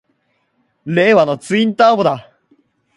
令和のツインターボだ！